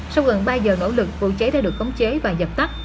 sau gần ba giờ nỗ lực vụ cháy đã được khống chế và dập tắt